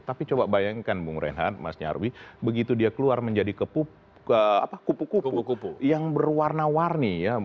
tapi coba bayangkan bung reinhardt mas nyarwi begitu dia keluar menjadi kupu kupu yang berwarna warni ya